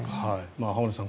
浜田さん